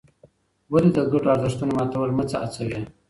ولې د ګډو ارزښتونو ماتول مه هڅوې؟